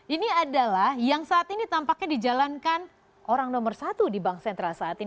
ini adalah yang saat ini tampaknya dijalankan orang nomor satu di bank sentral saat ini